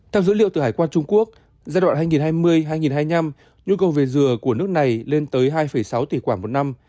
theo dữ liệu từ hải quan trung quốc giai đoạn hai nghìn hai mươi hai nghìn hai mươi năm nhu cầu về dừa của nước này lên tới hai sáu tỷ quả một năm